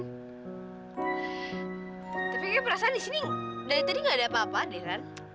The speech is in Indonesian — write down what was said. tapi kayaknya perasaan disini dari tadi gak ada apa apa deh ren